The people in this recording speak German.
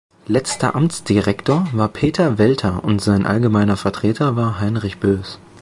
Letzter Amtsdirektor war Peter Welter und sein allgemeiner Vertreter war Heinrich Bös.